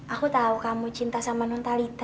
aku tau kamu cinta sama nontalita